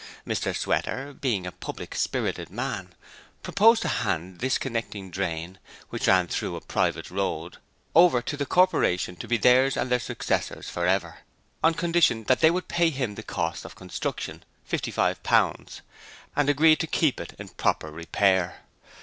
Mr Sweater being a public spirited man proposed to hand this connecting drain which ran through a private road over to the Corporation to be theirs and their successors for ever, on condition that they would pay him the cost of construction £55 and agreed to keep it in proper repair.